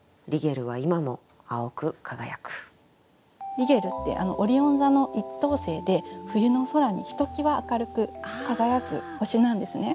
リゲルってオリオン座の１等星で冬の空にひときわ明るく輝く星なんですね。